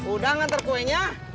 udah ngantar kuenya